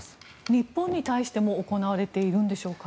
日本に対しても行われているんでしょうか。